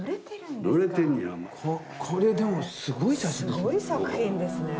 これでもすごい写真ですね。